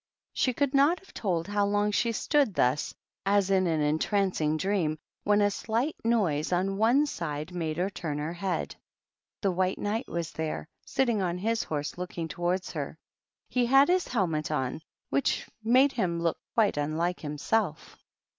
She could not have told how long she stood thus as in an entrancing dream, when a slight noise on one side made her turn her head. The White Knight was there, sitting on his horse looking towards her. He had his helmet on, which made him look quite unlike himself.